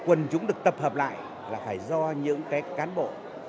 quần chúng được tập hợp lại là phải do những cán bộ